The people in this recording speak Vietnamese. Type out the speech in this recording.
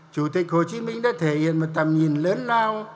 chủ tịch hồ chí minh đã thể hiện một tầm nhìn lớn lao